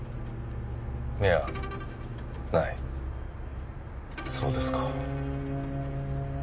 いやないそうですか